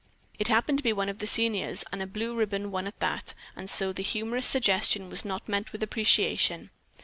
It happened to be one of the seniors, and a blue ribbon one at that, and so the humorous suggestion was not met with appreciation.